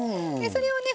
それをね